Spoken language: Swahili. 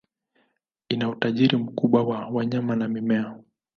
Ina utajiri mkubwa wa wanyama na mimea.